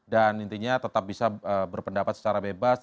dan intinya tetap bisa berpendapat secara bebas